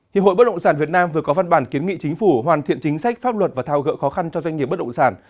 hiệp hội bất động sản việt nam vừa có văn bản kiến nghị chính phủ hoàn thiện chính sách pháp luật và thao gỡ khó khăn cho doanh nghiệp bất động sản